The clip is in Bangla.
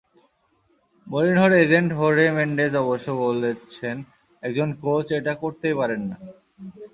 মরিনহোর এজেন্ট হোর্হে মেন্ডেস অবশ্য বলছেন, একজন কোচ এটা করতেই পারেন না।